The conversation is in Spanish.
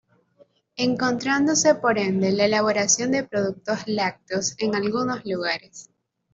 Encontrándose por ende la elaboración de productos lácteos en algunos lugares.